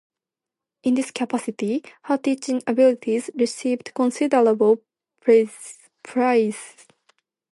In this capacity, her teaching abilities received considerable praise.